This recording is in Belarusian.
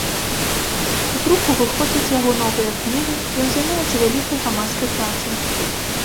З друку выходзяць яго новыя кнігі, ён займаецца вялікай грамадскай працай.